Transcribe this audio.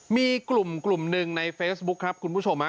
มีกลุ่มหนึ่งในเฟซบุ๊คครับคุณผู้ชม